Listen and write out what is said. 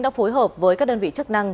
đã phối hợp với các đơn vị chức năng